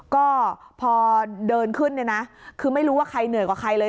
ก็พอเดินขึ้นเนี่ยนะคือไม่รู้ว่าใครเหนื่อยกว่าใครเลย